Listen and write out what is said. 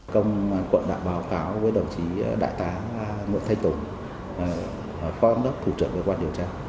công quận đã báo cáo với đồng chí đại tá nguyễn thây tùng phóng đốc thủ trưởng liên quan điều tra